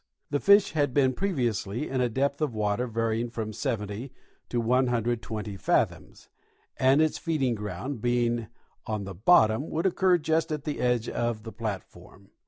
The fish had been previously in a depth of water varying from 70 to 120 fathoms, and its feeding ground, being on the bottom, would occur just at the edge of the platform.